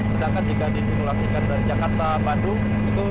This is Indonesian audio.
sedangkan jika disimulasikan dari jakarta bandung